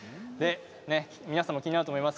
皆さんも気になると思います。